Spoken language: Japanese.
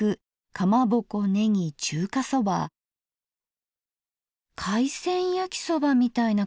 海鮮焼きそばみたいな感じかな？